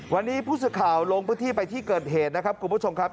วันนี้ผู้สื่อข่าวลงพื้นที่ไปที่เกิดเหตุนะครับคุณผู้ชมครับ